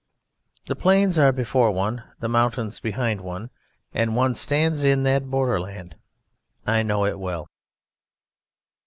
The plains are before one, the mountains behind one, and one stands in that borderland. I know it well.